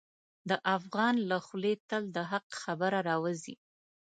د افغان له خولې تل د حق خبره راوځي.